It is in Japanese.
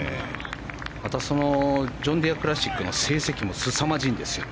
またそのジョンディアクラシックの成績もすさまじいんですよ。